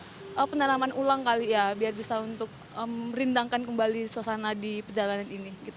tapi saya juga ingin menerima penerangan ulang kali ya biar bisa untuk merindangkan kembali suasana di pejalanan ini gitu